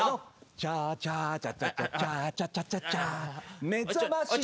「チャーチャーチャチャチャチャチャチャチャチャ」めざましじゃんけん。